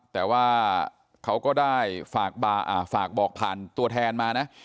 แต่ว่าเขาก็ได้ฝากบอกผ่านตัวแทนมานะ